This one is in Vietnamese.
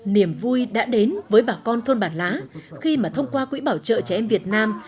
niềm vui đã đến với bà con thôn bản lá khi mà thông qua quỹ bảo trợ trẻ em việt nam